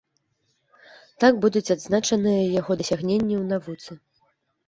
Так будуць адзначаныя яго дасягненні ў навуцы.